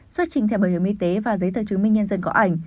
xuất trình thẻ bảo hiểm y tế và giấy tờ chứng minh nhân dân có ảnh